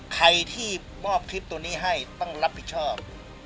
ใครที่มอบคลิปตัวนี้ให้ต้องรับผิดชอบ